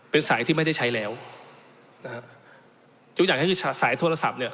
เป็นสายที่ไม่ได้ใช้แล้วนะฮะทุกอย่างให้สายโทรศัพท์เนี่ย